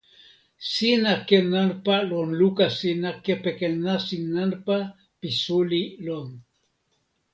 sina ken nanpa lon luka sina kepeken nasin nanpa pi suli lon.